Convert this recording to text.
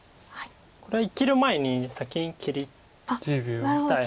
これは生きる前に先に切りたい。